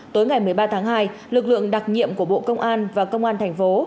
tối ngày một mươi ba tháng hai lực lượng đặc nhiệm của bộ công an và công an thành phố